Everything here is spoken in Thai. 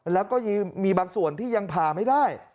แล้วก็ยังมีบางส่วนที่ยังผ่าไม่ได้